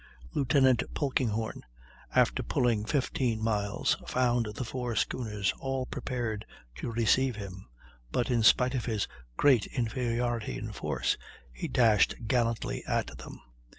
Lieutenant Polkinghorne, after pulling 15 miles, found the four schooners all prepared to receive him, but in spite of his great inferiority in force he dashed gallantly at them.